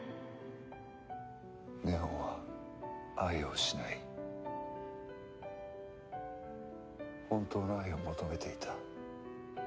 祢音は愛を失い本当の愛を求めていた。